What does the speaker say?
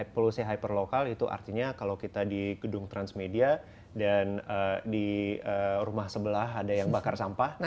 polusi hyperlokal itu artinya kalau kita di gedung transmedia dan di rumah sebelah ada yang bakar sampah